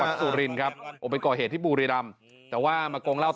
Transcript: อ่าสิงหาทวมขอน